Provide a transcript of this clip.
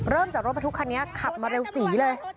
เริ่มจากรถไปทุกคันนี้ขับมาเร็วศีรษท์เลย